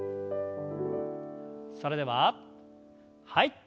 それでははい。